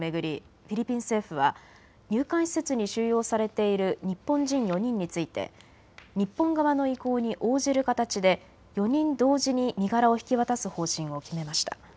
フィリピン政府は入管施設に収容されている日本人４人について日本側の意向に応じる形で４人同時に身柄を引き渡す方針を決めました。